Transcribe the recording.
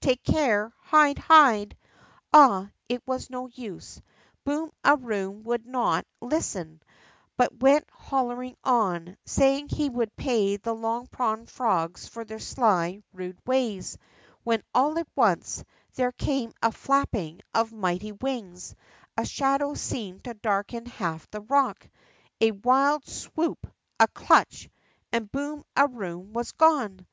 Take care! Hide, hide !'' Ah, it was no use. Boom a Room would not listen, but went hollering on, saying he would pay the Long Pond frogs for their sly, rude ways, when, all at once, there came a flapping of mighty wings, a shadow seemed to darken half the rock, a wild swoop, a clutch, and Boom a Room was gone